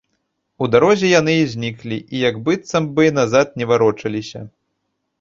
У дарозе яны і зніклі, і як быццам бы назад не варочаліся.